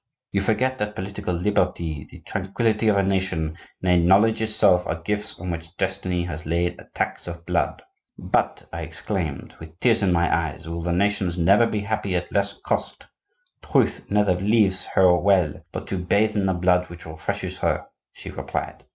You forget that political liberty, the tranquillity of a nation, nay, knowledge itself, are gifts on which destiny has laid a tax of blood!' 'But,' I exclaimed, with tears in my eyes, 'will the nations never be happy at less cost?' 'Truth never leaves her well but to bathe in the blood which refreshes her,' she replied.